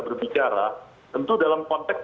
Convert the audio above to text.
berbicara tentu dalam konteks